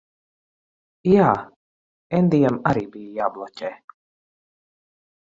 Jā. Endijam arī bija jābloķē.